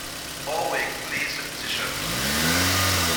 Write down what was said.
Orwig plays the position of goalie.